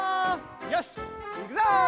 よしいくぞ！